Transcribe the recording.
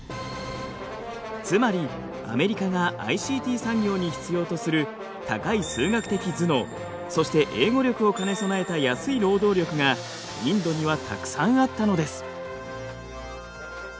つまりアメリカがＩＣＴ産業に必要とする高い数学的頭脳そして英語力を兼ね備えた安い労働力がインドにはたくさんあったのです。